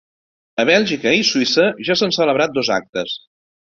A Bèlgica i Suïssa ja s’han celebrat dos actes.